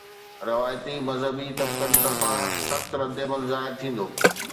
روايتي مذهبي طبقن طرفان سخت ردعمل ظاهر ٿيندو.